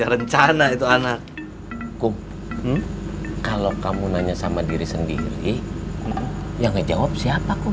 rencana itu anak kum kalau kamu nanya sama diri sendiri yang ngejawab siapa kum